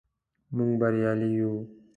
موږ بریالي یو.